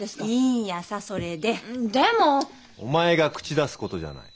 お前が口出すことじゃない。